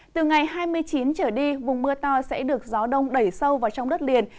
từ ngày hai mươi chín trở đi vùng mưa to sẽ được gió đông đẩy sâu vào trong đất liền